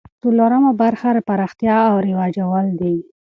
څلورمه برخه پراختیا او رواجول دي.